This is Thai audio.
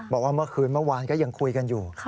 บอกว่าเมื่อคืนเมื่อวานก็ยังคุยกันอยู่